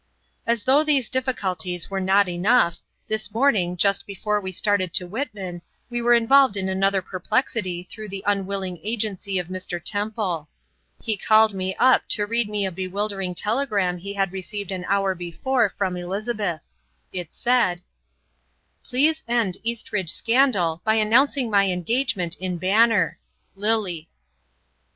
As though these difficulties were not enough, this morning, just before we started to Whitman, we were involved in another perplexity through the unwilling agency of Mr. Temple. He called me up to read me a bewildering telegram he had received an hour before from Elizabeth. It said: "Please end Eastridge scandal by announcing my engagement in Banner. Lily."